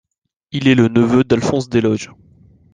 Il est le neveu d'Alphonse Desloges.